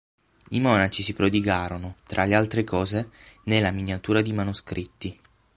I monaci si prodigarono, tra le altre cose, nella miniatura di manoscritti.